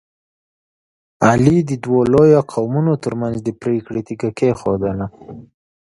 علي د دوو لویو قومونو ترمنځ د پرېکړې تیږه کېښودله.